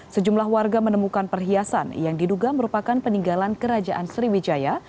sejumlah warga menemukan perhiasan yang diduga merupakan peninggalan kerajaan sriwijaya